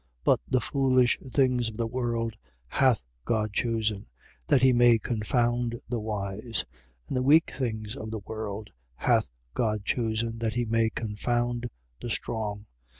1:27. But the foolish things of the world hath God chosen, that he may confound the wise: and the weak things of the world hath God chosen, that he may confound the strong.